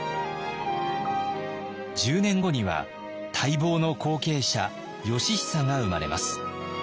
１０年後には待望の後継者義尚が生まれます。